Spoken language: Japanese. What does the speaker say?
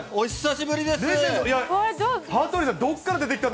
久しぶりです。